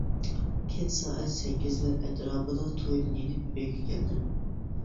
كەچ سائەت سەككىزلەر ئەتراپىدا تويدىن يېنىپ ئۆيگە كەلدىم.